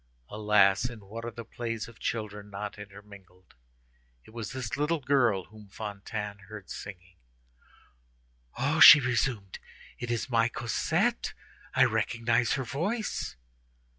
Alas! in what are the plays of children not intermingled. It was this little girl whom Fantine heard singing. "Oh!" she resumed, "it is my Cosette! I recognize her voice."